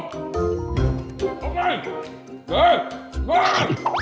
ตกไก่แก้มอง